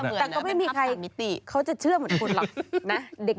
แต่ก็ไม่มีใครมิติเขาจะเชื่อเหมือนคุณหรอกนะ